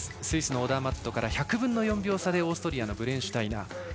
スイスのオダーマットから１００分の４秒差でオーストリアのブレンシュタイナー。